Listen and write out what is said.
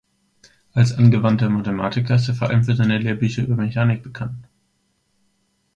Als Angewandter Mathematiker ist er vor allem für seine Lehrbücher über Mechanik bekannt.